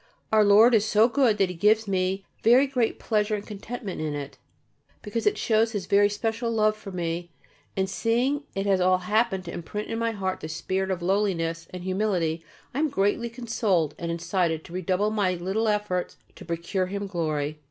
Our Lord is so good that He gives me very great pleasure and contentment in it, because it shows His special love for me, and seeing that it has all happened to imprint in my heart the spirit of lowliness and humility I am greatly consoled and incited to redouble my little efforts to procure Him glory....